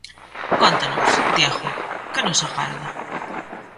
Cóntanos, Diego, que nos agarda?